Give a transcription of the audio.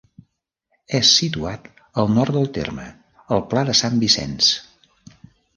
És situat al nord del terme, al pla de Sant Vicenç.